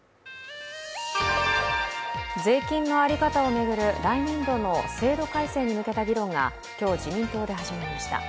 税金の在り方を巡る来年度の制度改正に向けた議論が今日、自民党で始まりました。